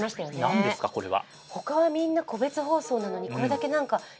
なんですか、これは。